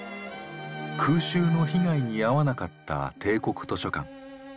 空襲の被害に遭わなかった帝国図書館。